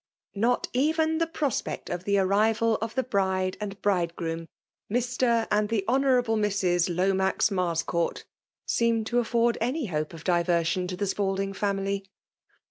Not even the prospect of the arrival of the bride and bride groom> ^' Mr. and the Hon. Mrs. Lomax Mars court," seemed to afibrd any hope of diver moxk to tlie Spalding family.